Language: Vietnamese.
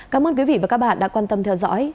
cảm ơn quý vị và các bạn đã quan tâm theo dõi